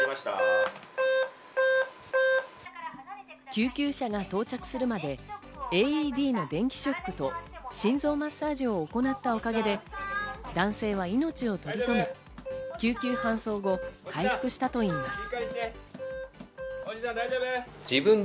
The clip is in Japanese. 救急車が到着するまでＡＥＤの電気ショックと心臓マッサージを行ったおかげで男性は命を取り留め、救急搬送後、回復したといいます。